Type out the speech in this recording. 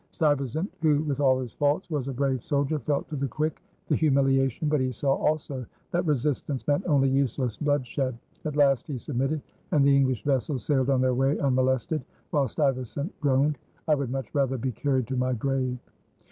Stuyvesant, who with all his faults was a brave soldier, felt to the quick the humiliation; but he saw also that resistance meant only useless bloodshed. At last he submitted, and the English vessels sailed on their way unmolested, while Stuyvesant groaned, "I would much rather be carried to my grave."